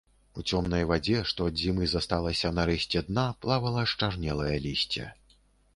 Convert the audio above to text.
У цёмнай вадзе, што ад зімы засталася на рэшце дна, плавала счарнелае лісце.